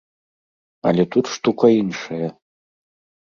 Але тут штука іншая.